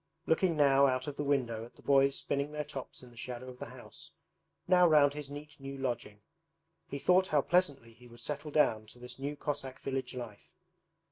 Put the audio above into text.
Looking now out of the window at the boys spinning their tops in the shadow of the house, now round his neat new lodging, he thought how pleasantly he would settle down to this new Cossack village life.